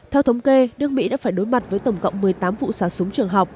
theo thống kê nước mỹ đã phải đối mặt với tổng cộng một mươi tám vụ xả súng trường học